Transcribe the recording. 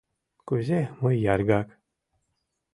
Кузе, мый яргак?..